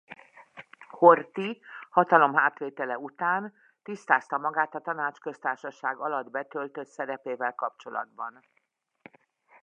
Horthy hatalomátvétele után tisztázta magát a Tanácsköztársaság alatt betöltött szerepével kapcsolatban.